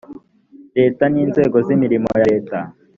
leta n inzego z imirimo ya leta